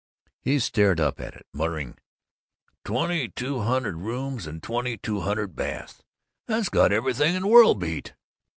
He stared up at it, muttering, "Twenty two hundred rooms and twenty two hundred baths! That's got everything in the world beat.